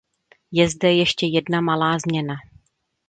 Je zde ještě jedna malá změna.